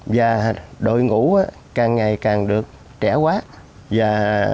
và đội ngũ càng ngày càng được trẻ quát và